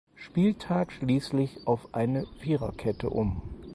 Spieltag schließlich auf eine Viererkette um.